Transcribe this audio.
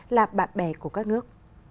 là bạn bè của các nước